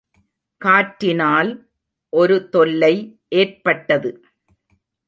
காற்றினால் ஒரு தொல்லை ஏற்பட்டது.